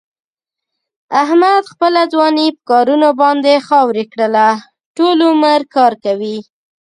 احمد خپله ځواني په کارونو باندې خاورې کړله. ټول عمر کار کوي.